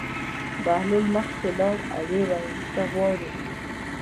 بهلول مخکې لاړ او ویې ویل: څه غواړې.